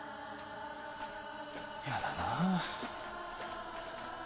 やだなぁ。